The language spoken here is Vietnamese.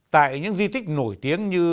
tại những di tích nổi tiếng như